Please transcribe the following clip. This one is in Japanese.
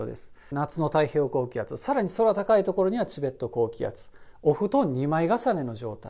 夏の太平洋高気圧、さらに空高い所には、チベット高気圧、お布団２枚重ねの状態。